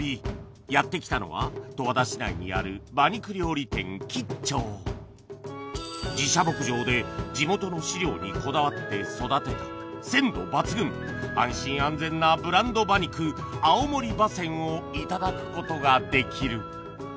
やってきたのは十和田市内にある自社牧場で地元の飼料にこだわって育てた鮮度抜群安心安全なブランド馬肉をいただくことができる